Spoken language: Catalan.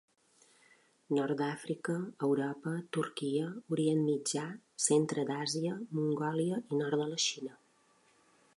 Nord d'Àfrica, Europa, Turquia, Orient Mitjà, centre d'Àsia, Mongòlia i nord de la Xina.